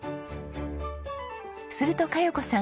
すると香葉子さん